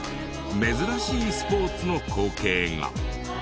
珍しいスポーツの光景が。